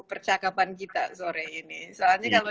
percakapan kita sore ini soalnya kalau